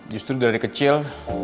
justru dari kecil